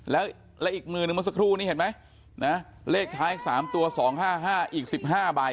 แล้วแล้วอีกมือนึงมาสักครู่นี่เห็นไหมนะเลขท้ายสามตัวสองห้าห้าอีกสิบห้าใบ